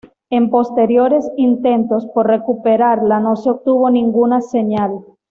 En posteriores intentos por recuperarla no se obtuvo ninguna señal.